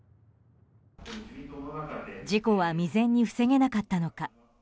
事故は未然に防げなかったのか。